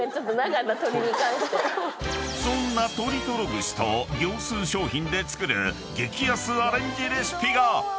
［そんな鶏とろ串と業スー商品で作る激安アレンジレシピが］